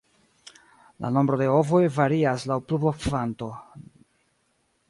La nombro de ovoj varias laŭ la pluvokvanto.